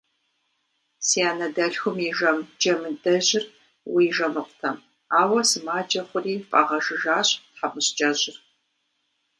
Си анэдэлъхум и жэм Джамыдэжьыр уей жэмыфӏтэм, ауэ сымаджэ хъури фӏагъэжыжащ тхьэмыщкӏэжьыр.